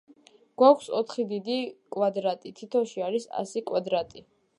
გვაქვს ოთხი დიდი კვადრატი, თითოში არის ასი კვადრატი.